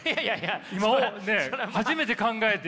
今ね初めて考えて。